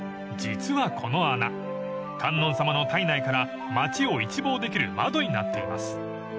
［実はこの穴観音様の胎内から街を一望できる窓になっています］